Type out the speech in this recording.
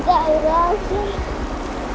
gak ada sih